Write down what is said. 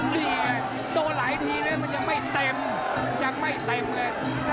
นี่ไงโดนหลายทีเลยมันยังไม่เต็มยังไม่เต็มเลย